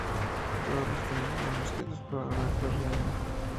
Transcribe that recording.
Todos los temas fueron escritos por Alberto Rionda.